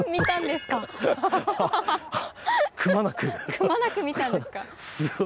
すごい。くまなく見たんですか。